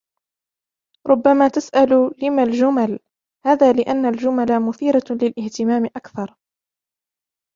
ربما تسأل ، لمَ الجمل ؟ هذا لأن الجمل مثيرة للاهتمام أكثر.